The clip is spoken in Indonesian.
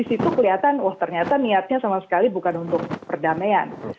di situ kelihatan wah ternyata niatnya sama sekali bukan untuk perdamaian